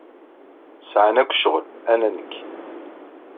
Sɛan akk ccɣel, ala nekk.